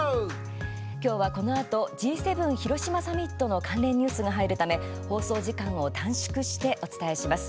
今日は、このあとＧ７広島サミットの関連ニュースが入るため放送時間を短縮してお伝えします。